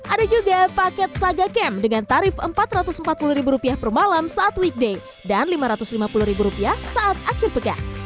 ada juga paket saga camp dengan tarif rp empat ratus empat puluh per malam saat weekday dan rp lima ratus lima puluh saat akhir pekan